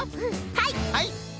はい。